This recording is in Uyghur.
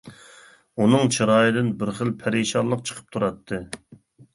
ئۇنىڭ چىرايىدىن بىر خىل پەرىشانلىق چىقىپ تۇراتتى.